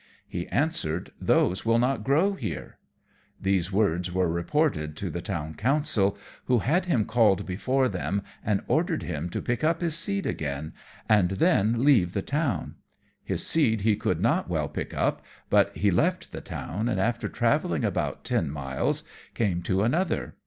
He answered, "Those will not grow here." These words were reported to the Town Council, who had him called before them, and ordered him to pick up his seed again, and then leave the town. His seed he could not well pick up; but he left the town, and after travelling about ten miles, came to another.